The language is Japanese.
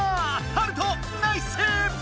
ハルトナイス！